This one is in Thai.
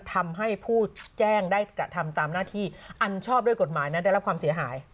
ทำให้ผู้แจ้งได้กระทำตามหน้าที่อันชอบด้วยกฎหมายนั้นได้รับความเสียหาย